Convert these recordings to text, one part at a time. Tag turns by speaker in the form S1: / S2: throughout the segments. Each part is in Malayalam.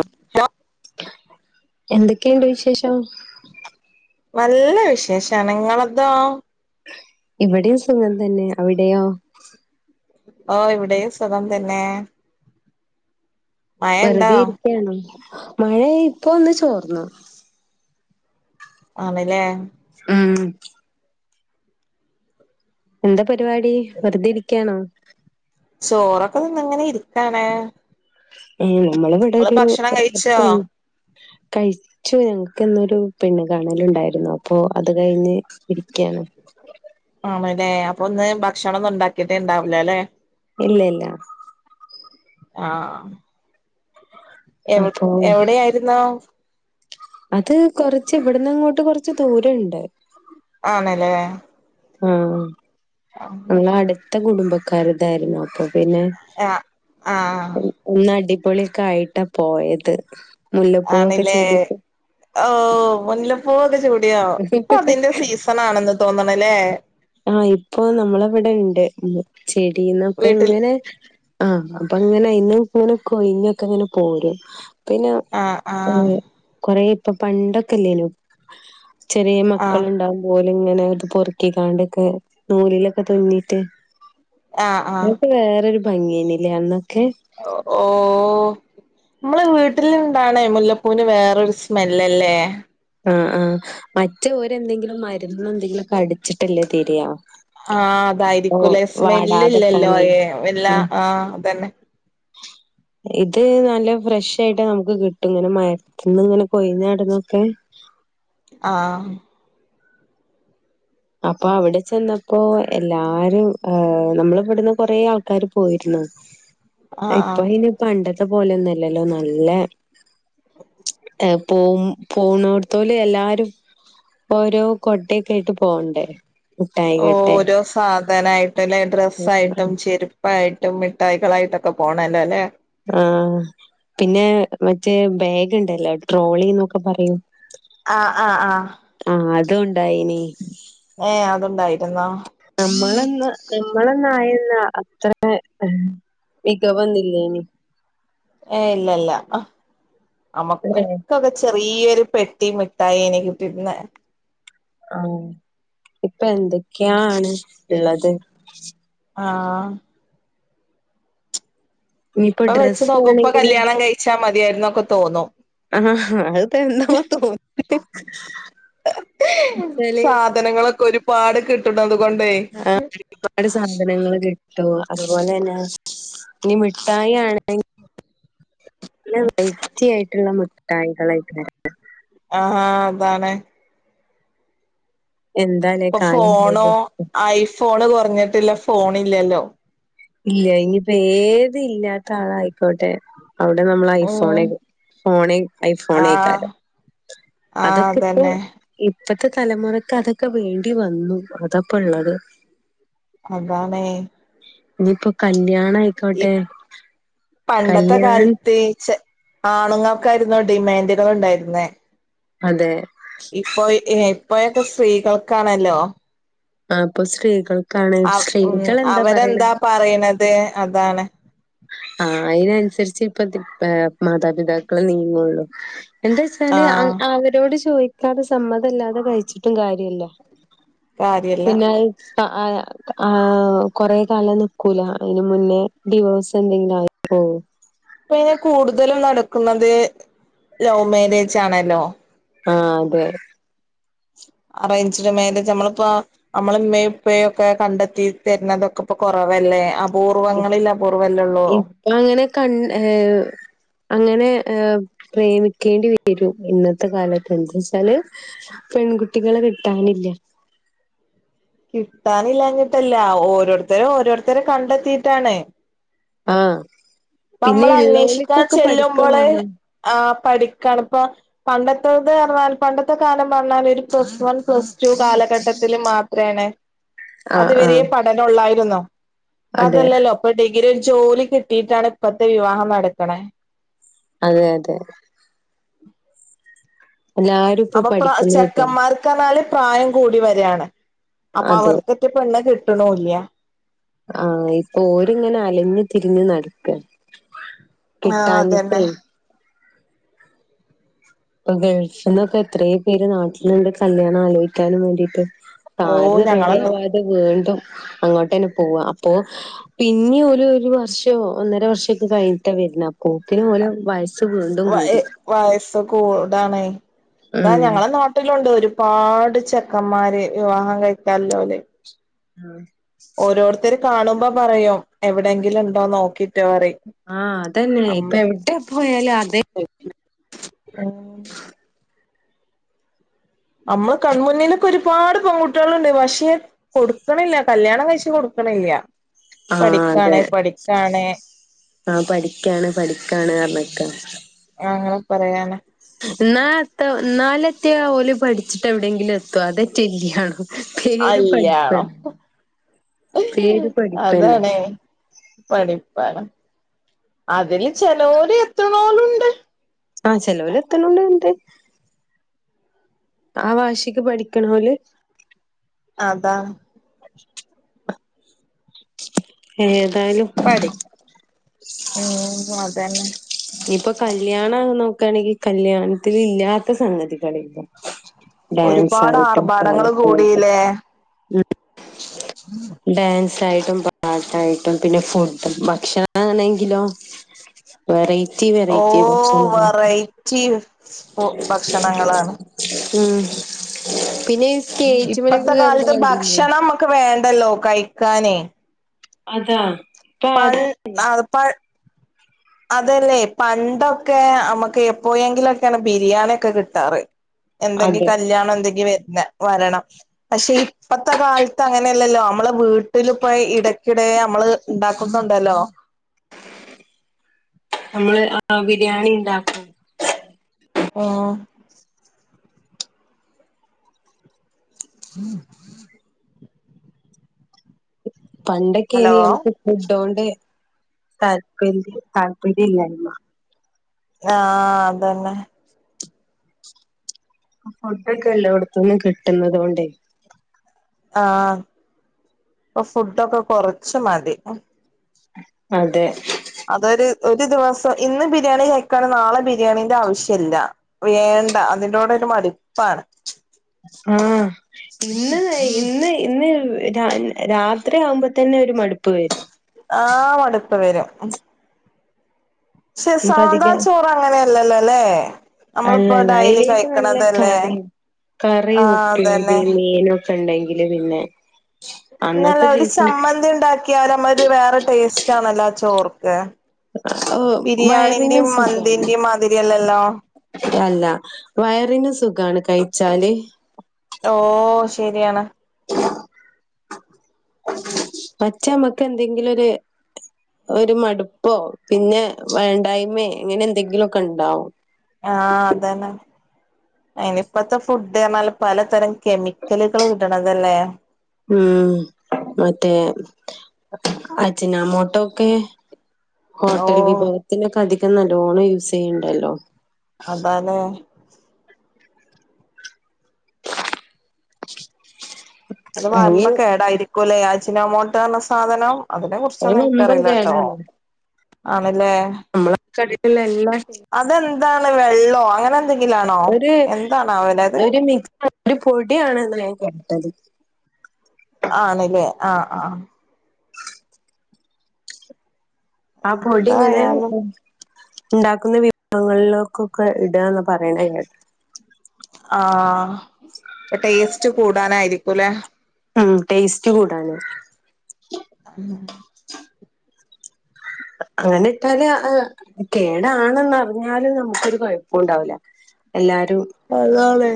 S1: [unintelligible]
S2: എന്തെക്കേണ്ട് വിശേഷം
S1: നല്ല വിശേഷാണ് ഇങ്ങളതോ
S2: ഇവിടിയും സുഖം തന്നെ അവിടെയോ
S1: ഓഹ് ഇവിടെയും സുഖം തന്നെ മഴ ഇണ്ടോ
S2: വെറുതെ ഇരിക്ക്യാണൊ മഴ ഇപ്പൊന്ന് ചോർന്നു
S1: ആണ്ലേ
S2: ഉം എന്താ പരിപാടി വെറുതെ ഇരിക്ക്യാണോ
S1: ചോറൊക്കെ തിന്നിങ്ങനെ ഇരിക്കാണ്
S2: ഏഹ്
S1: ഇങ്ങള്
S2: നമ്മളവ്ടൊരു
S1: ഭക്ഷണം കഴിച്ചോ
S2: പെൺ കഴി ചൂ ഞങ്ങക്ക്ന്നൊരു പെണ്ണ് കാണലുണ്ടായിരുന്നു അപ്പൊ അത് കഴിഞ്ഞ് ഇരിക്കാണ്
S1: ആണ്ലേ അപ്പൊ ഇന്ന് ഭക്ഷണൊന്നും ഇണ്ടാക്കിട്ടേ ഇണ്ടാവുലലേ
S2: ഇല്ല ഇല്ല
S1: ആഹ് എവ്
S2: അപ്പൊ
S1: എവിടെ ആയിരുന്നൂ
S2: അത് കൊറച്ച് ഇവിടന്നിങ്ങോട്ട് കൊറച്ച് ദൂരണ്ട്
S1: ആണല്ലേ
S2: ആഹ്
S1: ആഹ്
S2: ഞങ്ങളെ അടുത്ത കുടുംബക്കാരായിരുന്നു അപ്പൊ പിന്നെ
S1: ആഹ്
S2: ഒന്ന് അടിപൊളിഒക്കെ ആയിട്ടാ പോയത് മുല്ലപ്പൂവൊക്കെ
S1: ആണില്ലേ
S2: ചൂടിട്ട്
S1: ഓഹ് മുല്ലപ്പൂ ഒക്കെ ചൂടിയോ ഇപ്പൊ അതിന്റെ സീസ ണാണെന്ന് തോന്ന്ണ്ലേ
S2: ആഹ് ഇപ്പൊ നമ്മളവിടെണ്ട് ചെടീന്നൊക്കെ
S1: വീട്ടിൽ
S2: ഇങ്ങനെ ആഹ് അപ്പൊ ഇങ്ങനെ അയ്ന്നും ഇങ്ങനെ കൊഴിഞ്ഞൊക്കെ ഇങ്ങനെ പോരും പിന്നെ
S1: ആഹ് ആഹ്
S2: ഉം കൊറെ ഇപ്പൊ പണ്ടൊക്കെ ഇല്ലേനോ ചെറിയ
S1: ആഹ്
S2: മക്കളുണ്ടാവ്മ്പോ ഓല്ങ്ങനെ ഇത് പൊർക്കിക്കാണ്ട് ക്ക് നൂലിലൊക്കെ തുന്നീട്ട്
S1: ആഹ് ആഹ്
S2: ഇതൊക്കെ വേറൊരു ഭംഗി ഏനിലെ അന്നൊക്കെ
S1: ഒ ഓഹ് ഇമ്മളെ വീട്ടില് ഇണ്ടാണെ മുല്ലപ്പൂവിന് വേറൊരു സ്മെല്ലല്ലേ
S2: ആഹ് ആഹ് മറ്റേ ഓരെന്തെങ്കിലും മര്ന്ന് എന്തെങ്കിലൊക്കെ അടിച്ചിട്ടല്ലേ തരാ
S1: ആഹ്
S2: ഓ
S1: അതായിരികുല്ലേ സ്മെല്ല് ഇല്ലല്ലോ
S2: വാടാതെക്കാന്
S1: അയെ എല്ലാ
S2: ഉം
S1: ആഹ് അതന്നെ
S2: ഇത് നല്ല ഫ്രഷ് ആയിട്ട് നമുക്ക് കിട്ടും ഇങ്ങനെ മരത്ത്ന്ന് ഇങ്ങനെ പൊയ്ഞ്ഞാട്ന്നൊക്കെ
S1: ആഹ്
S2: അപ്പൊ അവിടെ ചെന്നപ്പോ എല്ലാരും ആഹ് നമ്മള് ഇവിടുന്ന് കൊറേ ആൾക്കാര് പോയിരുന്നു
S1: ആഹ്
S2: ഇപ്പൊ
S1: ആഹ്
S2: പിന്നെ പണ്ടത്തെ പോലൊന്ന് അല്ലല്ലോ നല്ല
S1: [unintelligible]
S2: ഏഹ് പോവും പോണോട്ത്തോല് എല്ലാരും ഓരോ കോട്ടൊയ്ക്കെ ആയ്ട്ട് പോ പോണ്ടേ
S1: ഓരോ സാധനായിട്ടുല്ലെ ഡ്രെസ്സായിട്ടും ചെരു പ്പായിട്ടും മിഠായികളായിട്ടൊക്കെ പോണല്ലോല്ലേ
S2: ആഹ് പിന്നെ മറ്റേ ബാഗ് ഇണ്ടല്ലോ ട്രോളിന്നൊക്കെ പറയും
S1: ആഹ് ആഹ് ആഹ്
S2: ആഹ് അതുംണ്ടായിനി
S1: ഏഹ് അതുണ്ടായിരുന്നോ
S2: നമ്മളൊന്ന് നമ്മളൊന്നായല്ലോ അത്ര ഏഹ് മികവൊന്നില്ലേനി
S1: ഏ ഇല്ല ഇല്ല അമ്മക്ക് സൊഗത് ചെറിയൊരു പെട്ടി മിട്ടായി ഏനി കിട്ടിരുന്നെ
S2: ആഹ് ഇപ്പൊ എന്തൊക്കെയാണ് ഇള്ളത്.
S1: ആഹ്
S2: ഇനിയിപ്പോ
S1: ഇപ്പൊ വെച്ച്
S2: ഡ്രസ്സ്
S1: നോക്കു പ്പൊ
S2: ആണെങ്കിലും
S1: കല്യാണം കഴിച്ചാമതിയായിരുന്നൊക്കെ തോന്നും.
S2: ആഹ്ഹാഹ് അഹ്പ്പെന്നോ തോന്നി ച്ചാല്,
S1: ത്തനങ്ങളൊക്കെ ഒരുപാട് കിട്ടണതുകൊണ്ടേയ്.
S2: ആഹ് ഒരുപാട് സാധനങ്ങള് കിട്ടും അതുപോലെന്നെ ഇനി മിഠായി ആണെ പിന്നെ വെയിറ്റിയായിട്ടുള്ള മുട്ടായികളായികാരം.
S1: ആഹ് അതാണ്
S2: എന്താലേ
S1: ഇപ്പൊ
S2: കാലം
S1: ഫോണോ
S2: പോക
S1: ഐഫോൺ കൊറഞ്ഞിട്ടില്ലെ ഫോണില്ലല്ലോ.
S2: ഇല്ല ഇനിയിപ്പ ഏത് ഇല്ലാത്ത ആളായിക്കോട്ടെ. അവിടെ നമ്മൾ ഐഫോണ്
S1: ഉം
S2: ഫോണ്
S1: ആഹ്
S2: ഐഫോണേയ്ക്കാരം.
S1: ആഹ്
S2: അതൊക്കെ ഇപ്പ
S1: അതന്നെ
S2: ഇപ്പത്തെ തലമുറക്ക് അതൊക്കെ വേണ്ടി വന്നു അതാപ്പോ ഉള്ളത്.
S1: അതാണേ.
S2: ഇഞ്പ്പോ കല്യാണായ്
S1: ഇ പണ്ടത്തെ
S2: കല്യാൺ
S1: കാലത്ത് ചെ ആണുങ്ങർക്കായിരുന്നു ഡിമാൻഡുകൾ ഉണ്ടായിരുന്നേ.
S2: അതെ.
S1: ഇപ്പോയ് ഇപ്പോയൊക്കെ സ്ത്രീകൾക്കാണല്ലോ.
S2: ആ ഇപ്പൊ സ്ത്രീകൾക്കാണ്
S1: അവ് ഉം
S2: സ്ത്രീകൾ എന്താ പറയണെ
S1: അവരെന്താ പറയ്ണത് അതാണ്.
S2: ആഹ് അയ്നൻസരിച്ചേ ഇപ്പ തിപ് ഏഹ് മാതാപിതാക്കള് നീങ്ങൊള്ളു. എന്താ വച്ചാല് അ
S1: ആഹ്
S2: അവരോട് ചോദിക്കാതെ സമ്മതംല്ലാതെ കഴിച്ചിട്ടും കാര്യല്ല.
S1: കാര്യല്ല
S2: പിന്നത് അ അഹ് ആഹ് കൊറേ കാലം നിക്കൂല. അയ്ന് മുന്നേ ഡിവോഴ്സ് സെന്തെങ്കിലു ആയിപ്പോവും.
S1: ഇപ്പയ്ന് കൂടുതലും നടക്കുന്നത് ലൗ മേരേജ് ആണല്ലോ.
S2: ആഹ് അതെ.
S1: അറയിഞ്ച്ഡ് മേരേജ് നമ്മളിപ്പോ, നമ്മളെ ഇമ്മയും ഉപ്പയു ഒക്കെ കണ്ടെത്തി തരുന്നതൊക്കെ ഇപ്പൊ കൊറവല്ലേ. അപൂർവങ്ങളിൽ അ പൂർവല്ലൊള്ളൂ.
S2: അപ്പൊ അങ്ങനെ കൺ ഹേഹ് അങ്ങനെ ഏഹ് പ്രേമിക്കേണ്ടി വരും ഇന്നത്തെ കാലത്ത്. എന്താ വച്ചാല്, പെൺകുട്ടികളെ കിട്ടാനില്ല.
S1: കിട്ടാനില്ലാഞ്ഞിട്ടല്ല ഓരോരുത്തരും ഓരോരുത്തരെ കണ്ടെത്തിയിട്ടാണ്.
S2: ആഹ് പിന്നെ
S1: നമ്മൾ
S2: ഇള്ളോല്ക്കൊക്കെ പഠിക്കും വേണം.
S1: ആഹ് പഠിക്കാണ്. ഇപ്പൊ, പണ്ടത്തത് പറഞ്ഞാൽ പണ്ടത്തെ കാലം പറഞ്ഞാല് ഒരു പ്ലസ് വൺ പ്ലസ് റ്റു കാലഘട്ടത്തിൽ മാത്രേണ് അത്
S2: ആഹ്
S1: വരേ
S2: ആഹ്
S1: പഠനം ഒള്ളായിരുന്നു. പ്പ
S2: അതെ
S1: അതല്ലല്ലോ. ഇപ്പൊ ഡിഗ്രി ഒരു ജോലി കിട്ടിയിട്ടാണ് ഇപ്പത്തെ വിവാഹം നടക്ക്ണെ.
S2: അതെ അതെ. എല്ലാ
S1: അപ്പൊ പ്ര ചെക്കന്മാർ ക്ക് പർഞ്ഞാല് പ്രായം കൂടി വരാണ്. അപ്പൊ
S2: അതെ
S1: അവർക്കെറ്റെ പെണ്ണ് കിട്ട്ണൂല്ല്യ.
S2: ആഹ് ഇപ്പൊ ഓരിങ്ങനെ അലഞ്ഞു തിരിഞ് നടക്ക.
S1: ആഹ് അതന്നെ
S2: കിട്ടാഞ്ഞിട്ടേ? ഇപ്പൊ ഗൾഫിൽന്നൊക്കെ എത്ര പേര് നാട്ടിൽണ്ട് കല്യാണം ആലോചിക്കാനും വേണ്ടിയിട്ട്!
S1: ഓ
S2: കാര്യം റെഡി
S1: ഞങ്ങളെ
S2: ആവാതെ വീണ്ടും അങ്ങോട്ട് തന്നെ പോവാ അപ്പൊ. പിന്നേം ഓല് ഒരു ഒരു വർഷോ ഒന്നര വർഷക്കെ കഴിഞ്ഞിട്ട വരുന്ന. അപോക്കിനി ഒരേ വയസ്സ് വീണ്ടും കൂടി.
S1: വയസ്സസ് കൂടാണ് ഇതാ
S2: ഉം
S1: ഞങ്ങളെ നാ ട്ടിലുണ്ട് ഒരുപാട് ചെക്കന്മാര് വിവാഹം കഴിക്കാതോൽ.
S2: ആഹ്.
S1: ഓരോരുത്തർ കാണുമ്പോ പറയോ എവിടെങ്കിലും ഉണ്ടേ നോക്കിട്ടോ പറയും.
S2: ആഹ് അതന്നെ ഇപ്പ
S1: അമ്മ
S2: എവിടെ പോയാലും അതേ
S1: ആഹ്. നമ്മള് കൺമുന്നിലൊക്കെ ഒരുപാട് പെൺകുട്ടികൾണ്ട് പക്ഷേ. കൊടുക്കണില്ല കല്യാണം കഴിച്ച് കൊടുക്കണില്ല.
S2: ആഹ അതെ
S1: പഠിക്കാണ് പഠിക്കാണ്
S2: ആ പഠിക്കാണ് പഠിക്കാണ് പറഞ്ഞക്കാ.
S1: ആങ്ങനെ പറയാ
S2: ഇന്നാ എത്തൊ ഇന്നാലെ ഓല് പഠിച്ചിട്ടെവ്ടെങ്കിലും എത്തോ അതെറ്റ ഇല്ലിയാണു.
S1: അല്യാണും ഇപൊ
S2: പേര് പഠിപ്പന്നെ
S1: അതാണെ. പടിപ്പാണ് അതില് ചെലോര് എത്ത്ണോലുണ്ട്.
S2: ആ ചെലോര് എത്ത്ണുലുണ്ട് ആ വാശിക്ക് പഠിക്ക്ണോല്.
S1: അതാ.
S2: ഏതായാലും.
S1: പഠി ഉം അതന്ന.
S2: ഇനി ഇപ്പ കല്ല്യാണ നോക്കാണെങ്കി കല്യാണത്തിനില്ലാത്ത സംഗതികളില്ല. ഡാൻസായിട്ടും
S1: ഒരുപാടാർഭാടങ്ങള് കൂടീല്ലേ.
S2: പാട്ടായിട്ടും ഡാൻസായിട്ടും പാട്ടായിട്ടും പിന്ന ഫുഡ് ഭക്ഷണാണെങ്കിലോ. വെറെറ്റി വെറെറ്റി ഭക്ഷങ്ങൾ.
S1: റ്റീ ഭക്ഷണങ്ങളാണ്.
S2: ഉം പിന്നെ.
S1: ഇപ്പത്ത
S2: സ്റ്റേജ്മലൊക്കെ കേറുന്ന
S1: കാലത്ത്
S2: കണ്ടില്ലേ
S1: ഭക്ഷണം നമ്മക്ക് വേണ്ടല്ലോ കയ്ക്കാന്.
S2: അതാ. ഇപ്പ
S1: പയ്
S2: ആരാ
S1: അത് പഴ്. അതല്ലെ പണ്ടൊക്കെ അമക്ക് എപ്പോയെങ്കിലൊക്കയാണ് ബിരിയാണി എക്ക കിട്ടാറ്. എന്തങ്കി
S2: അതെ
S1: കല്യാണ എന്തെങ്കി വെര്നം വരണം. പക്ഷെ ഇപ്പത്ത കാലത്ത അങ്ങനെ അല്ലല്ലോ അമ്മള് വീട്ട്ല് പ്പൊയ് ഇടക്ക്‌ടെ അമ്മള് ഇണ്ടാക്ക്‌ന്നോണ്ടല്ലോ.
S2: അമ്മള് ബിരിയാണി ഇണ്ടാക്കു
S1: ആഹ്. [unintelligible] ഹലോ
S2: പണ്ടക്കിനിയും നമ്ക്ക് ഫുഡോണ്ട് താല്പര്യ താല്പര്യല്ലായ്മ.
S1: ആഹ് അതന്ന.
S2: ഫുഡ്ക്കെ എല്ലോട്ത്ത്ന്ന് കിട്ട്ന്നത് കൊണ്ടേ.
S1: ആഹ് പ്പ ഫുഡൊക്ക കൊറച്ച് മതി.
S2: അതെ.
S1: അതൊര് ഒര് ദിവസം ഇന്ന് ബിരിയാണി കഴിക്കാണ നാളെ ബിരിയാണിന്റ ആവിശ്യല്ല വേണ്ട അതിനോടൊര് മടിപ്പാണ്
S2: ആഹ് ഇന്ന് വെയ് ഇന്ന് ഇന്ന് വ് രാ രാത്രി ആവ്മ്പത്തന്നെ ഒര് മടിപ്പ് വെരും
S1: ആഹ് മട്പ്പ് വെരും ശെ
S2: നമുക്ക്
S1: സാധാ
S2: അധികം
S1: ചോറങ്ങനെ അല്ലല്ലോല്ലെ
S2: അല്ലല്ല അയ്ലീക്ക് നല്ല കറീം കറി
S1: ആഹ് അതന്നെ
S2: ഉപ്പേരി മീനും ഉണ്ടെങ്കില് പിന്നെ
S1: ഇന്നല്ല
S2: അന്നത്തെ
S1: ഒര്
S2: ദിവസം
S1: ചമ്മന്തി ഇണ്ടാക്കിയാലും മ്മ ഒര് വേറ ടേസ്റ്റാണല്ലോ ആ ചോർക്ക്
S2: വയറിനും
S1: ബിരിയാണിന്റിം
S2: സുഖാണ്
S1: മന്തിന്റിം മാതിരി അല്ലല്ലോ
S2: അല്ല വയറിന് സുഖാണ് കയ്ച്ചാല്
S1: ഓഹ് ശെരിയാണ്
S2: പറ്റ അമ്മക്ക് എന്തെങ്കിലോര് ഒര് മട്പ്പോ പിന്നെ വേണ്ടായ്മെ ഇങ്ങനെ എന്തെങ്കിലൊക്കണ്ടാവും
S1: ആഹ് അതന്നെ അയ്നിപ്പത്ത ഫുഡ്ർഞ്ഞാല് പലതരം കെമിക്കല്കള് കൂട്ടണതല്ലേ
S2: ഉം മറ്റേ അജ്നാമോട്ടോക്കെ ഹോട്ടൽ
S1: ഓഹ്
S2: വിഭവത്തിനൊക്ക അധികം നല്ലോണം യൂസ്സെയ്യ്ണ്ടല്ലോ
S1: അതാലെ അത് വമ്പം
S2: അയ്ന്
S1: കേടായിരിക്കൂല്ലേ അജ്ന മോട്ടോ പറഞ്ഞ സാധനം അതിനെ
S2: അത്
S1: കുറിച്ചൊന്നും
S2: വമ്പൻ
S1: എനക്ക്റിയില്ല ട്ടോ
S2: കേടാണ്
S1: ആണല്ലേ
S2: കടുള്ള എല്ലാം ചെയ്യ
S1: അതെന്താണ് വെള്ളോ അങ്ങനെ എന്തെങ്കിലും ആണോ എന്താണാവോ ലെ അത്
S2: മിക്സ ഒരു പൊടിയണെന്ന് ഞാൻ കേട്ടത്
S1: ആണ്ല്ലേ ആഹ് ആഹ്
S2: ആ പൊടിങ്ങനെ
S1: എന്തായാലും
S2: ഇടും ഇണ്ടാക്കുന്ന വിഭവങ്ങളിലൊക്കൊക്കെ ഇടന്ന് പറയ്ണെ കേട്ടെ
S1: ആഹ് ടേസ്റ്റ് കൂടാനായിരിക്കുംല്ലേ
S2: ഉം ടേസ്റ്റ് കൂടാന്
S1: ഉം
S2: അങ്ങനെ ഇട്ടാല് കേടാണെന്ന്റിഞ്ഞാലും നമുക്കൊരു കാെഴപ്പും ഇണ്ടാവൂല്ല എല്ലാരും
S1: അതണെ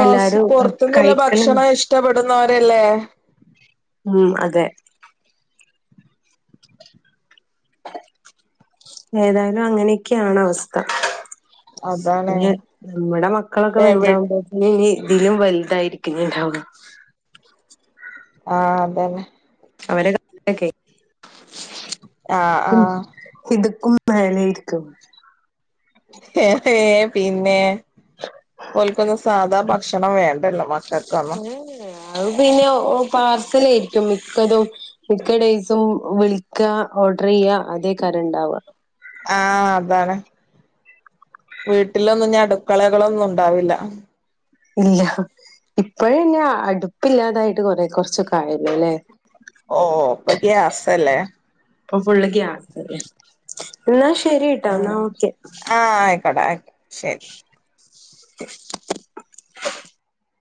S1: ആഹ്
S2: എല്ലാരും
S1: പൊറത്ത്ന്ന്ലെ
S2: കഴിക്കല
S1: ഭക്ഷണം ഇഷ് ടപ്പെടുന്നോരല്ലേ
S2: ഉം അതെ ഏതായാലും അങ്ങനെയൊക്കെയാണ് അവസ്ഥ
S1: അതാണ്
S2: പിന്നെ ഇവടെ മക്കളൊക്കെ
S1: എവി
S2: വല്താവുമ്പോത്ത്ന് ഇ ഇതിലും വലുതായിരിക്കും [unintelligible]
S1: ആഹ് അതന്നെ
S2: അവരെ കക്കെ
S1: ആഹ് ആഹ്
S2: ഇത്ക്കും മേലെ ഇരിക്കും
S1: ഏഹ് പിന്നെ പോൽക്കുന്നു സാധാ ഭക്ഷണം വേണ്ടല്ലോ മക്കക്കൊന്നും
S2: അഹ് പിന്നെഓ പാർസലേരിക്കും മിക്കതും മിക്ക ഡേയ്സും വിളിക്ക ഓർഡർ ചെയ്യ അതേ കാരണ്ടാവുക
S1: ആഹ് അതാണ് വീട്ടിലൊന്നു ന്നി അടുക്കളകളൊന്നുണ്ടാവില്ല
S2: ഇല്ല ഇപ്പഴന്നെ അടുപ്പില്ലാതായിട്ട് കൊറെ കൊർച്ചൊക്കായല്ലോ ല്ലേ
S1: ഓഹ് പ്പ ഗ്യാസ്സല്ലേ
S2: പ്പൊ ഫുള്ള് ഗ്യാസ്സല്ലേ, ന്നാ ശരി ട്ടോ ന്നാ
S1: ഉം
S2: ഓക്കെ
S1: ആഹ് ഐക്കോട്ടെ അയ് ശരി